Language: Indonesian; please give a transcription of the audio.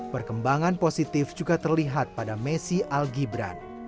perkembangan positif juga terlihat pada messi al gibran